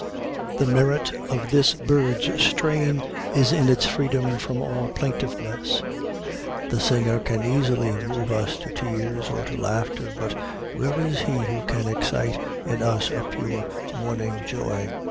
The merit of this bird's strain is in its freedom from all plaintiveness. The singer can easily move us to tears or to laughter, but where is he who can excite in us a pure morning joy?